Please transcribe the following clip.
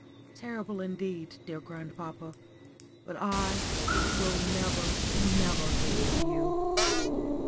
"Terrible indeed, dear grandpapa; but I will never, never, leave you."